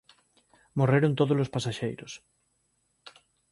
Morreron tódolos pasaxeiros.